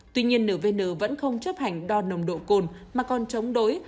tuy nhiên nvn vẫn không chấp hành đo nồng độ cồn mà còn chống đối